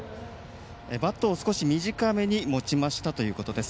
バットを少し短めに持ちましたということです。